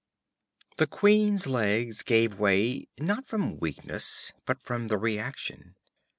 The queen's legs gave way, not from weakness but from the reaction.